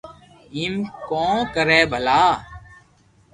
ايم ڪون ڪري ڀلا